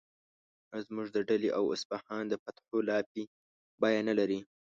زموږ د ډیلي او اصفهان د فتحو لاپې بیه نه لري.